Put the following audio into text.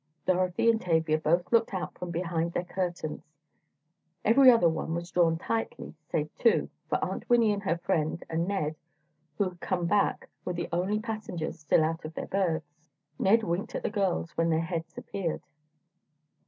Dorothy and Tavia both looked out from behind their curtains. Every other one was drawn tightly, save two, for Aunt Winnie and her friend and Ned, who had come back, were the only passengers still out of their berths. Ned winked at the girls when their heads appeared.